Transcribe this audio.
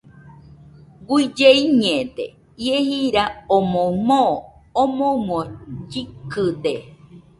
Guille iñede, ie jira omoɨ moo omoɨmo llɨkɨde